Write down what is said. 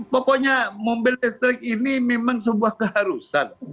pokoknya mobil listrik ini memang sebuah keharusan